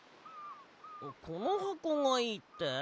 このはこがいいって？